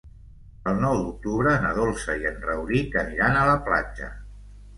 El nou d'octubre na Dolça i en Rauric aniran a la platja.